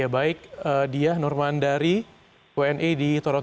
ya baik dia norman dari wni di toronto kanada